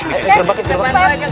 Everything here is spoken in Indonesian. oke terima kasih